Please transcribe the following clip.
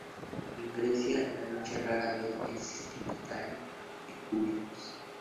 En Grecia, la Noche rara vez es destinataria de cultos.